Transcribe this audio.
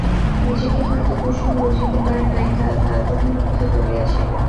নিজেকে হয়তো কুসুম বুঝিতে পারে নাই, কাল তালবনে মিথ্যা বলিয়াছিল!